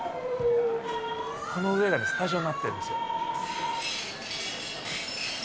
この上がスタジオになってるんですよ。